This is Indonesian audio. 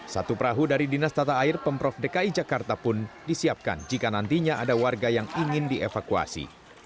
satu perahu dari dinas tata air pemprov dki jakarta pun disiapkan jika nantinya ada warga yang ingin dievakuasi